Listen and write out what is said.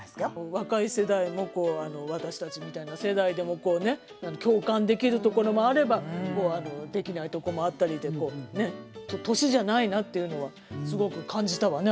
若い世代も私たちみたいな世代でもこうね共感できるところもあればできないとこもあったりでこうね年じゃないなっていうのはすごく感じたわね